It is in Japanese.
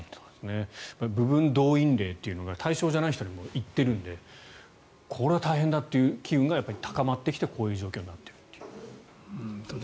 部分動員令というのが対象じゃない人にも行っているのでこれは大変だという機運が高まってきてこういう状況になっている。